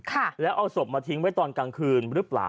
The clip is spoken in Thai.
ค่ะแล้วเอาศพมาทิ้งไว้ตอนกลางคืนหรือเปล่า